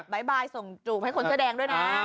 บ๊ายบายส่งจุ๊บให้คนแสดงด้วยนะ